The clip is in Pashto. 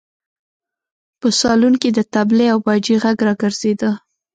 په سالون کې د تبلې او باجې غږ راګرځېده.